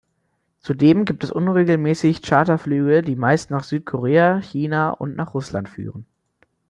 Zudem gibt es unregelmäßig Charterflüge, die meist nach Südkorea, China und nach Russland führen.